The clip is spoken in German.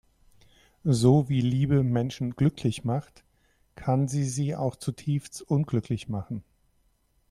So wie Liebe Menschen glücklich macht, kann sie sie auch zutiefst unglücklich machen.